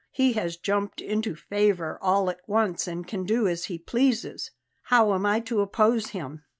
He has jumped into favour all at once and can do as he pleases. How am I to oppose him?